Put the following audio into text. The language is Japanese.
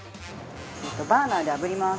バーナーで炙ります。